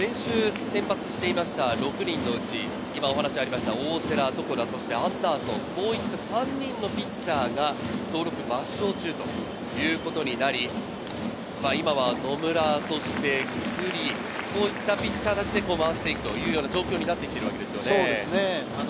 カープは先週、先発していました６人のうちお話ありました、大瀬良、床田、そしてアンダーソン、こういった３人のピッチャーが登録抹消中ということになり、今は野村そして九里、こういったピッチャーが回していくという状況になっているわけですね。